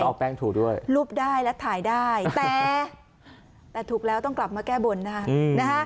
เอาแป้งถูกด้วยรูปได้และถ่ายได้แต่ถูกแล้วต้องกลับมาแก้บนนะฮะ